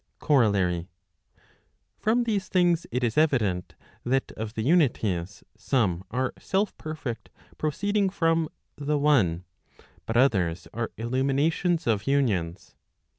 COROLLARY. From these things it is evident, that of the unities, some are self perfect proceeding from the one , but others are illuminations of unions.